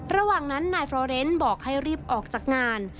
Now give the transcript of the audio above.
ระหว่างนั้นนายฟรอเรนบอกให้รีบออกจากงาน